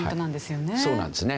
そうなんですね。